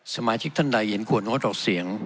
สมาชิกท่านใดเห็นควรงดออกเสียง